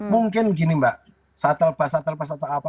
mungkin gini mbak satel bus atau apa